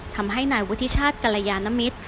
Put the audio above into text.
ทำให้นายวุฒิชาติกรยานมิตร